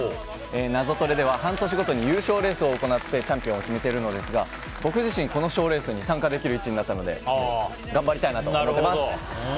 「ナゾトレ」では半年ごとに優勝レースを行ってチャンピオンを決めているのですが僕自身、この賞レースに参加できる位置になったので頑張りたいなと思っています。